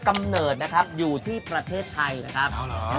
กำเนิดนะครับอยู่ที่ประเทศไทยนะครับ